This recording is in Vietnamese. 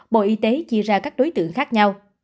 bộ y tế chia ra các đối tượng khác nhau